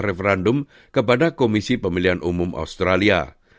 referendum kepada komisi pemilihan umum australia